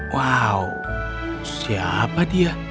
wow siapa dia